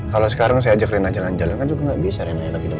kalau sekarang saya ajak rena jalan jalan kan juga gak bisa rena lagi dong